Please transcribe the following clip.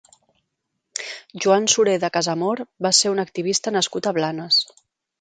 Joan Sureda Casamor va ser un activista nascut a Blanes.